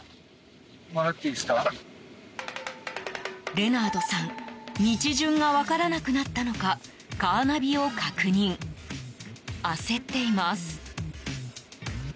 レナードさん道順が分からなくなったのかカーナビを確認、焦っています。